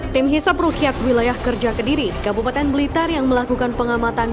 tim hisap rukyat wilayah kerja kediri kabupaten blitar yang melakukan pengamatan